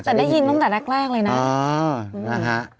แต่ได้ยินตั้งแต่แรกเลยนะ